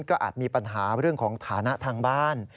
ก็อาจมีปัญหาเรื่องของฐานะทางบ้าน